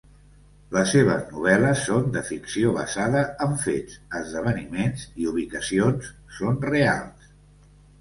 Les seves novel·les són de "ficció basada en fets": esdeveniments i ubicacions són reals.